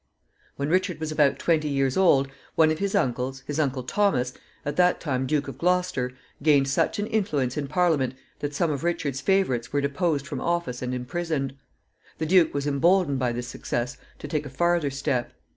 When Richard was about twenty years old, one of his uncles his uncle Thomas, at that time Duke of Gloucester gained such an influence in Parliament that some of Richard's favorites were deposed from office and imprisoned. The duke was imboldened by this success to take a farther step.